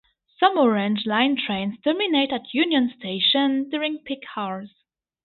Some Orange Line trains terminate at Union Station during peak hours.